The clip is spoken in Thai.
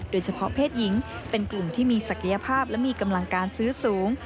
โดยเฉพาะเพศหญิงเป็นกลุ่มที่มีศักยภาพและมีกำลังการซื้อสูง